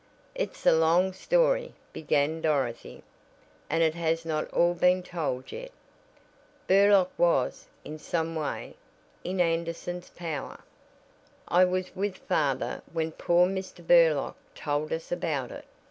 "It's a long story," began Dorothy, "and it has not all been told yet. Burlock was, in some way, in Anderson's power. I was with father when poor Mr. Burlock told us about it.